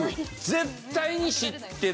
絶対に知ってる。